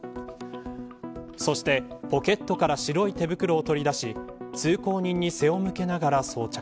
そしてポケットから白い手袋を取り出し通行人に背を向けながら装着。